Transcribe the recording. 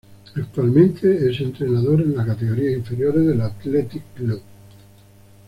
Actualmente, es entrenador en las categorías inferiores del Athletic Club.